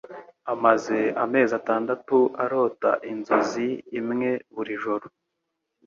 amaze amezi atandatu arota inzozi imwe buri joro